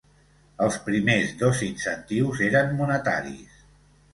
Els primers dos incentius eren monetaris.